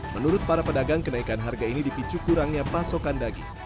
menurut para pedagang kenaikan harga ini dipicu kurangnya pasokan daging